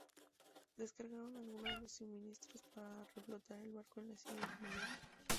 Descargaron algunos de los suministros para reflotar el barco en la siguiente marea.